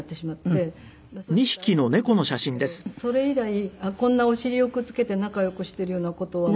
それ以来こんなお尻をくっつけて仲良くしているような事は。